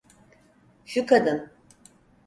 Şu kadın.